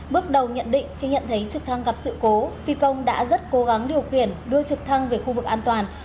bước đầu nhận định khi nhận thấy trực thăng gặp sự cố phi công đã rất cố gắng điều khiển đưa trực thăng về khu vực an toàn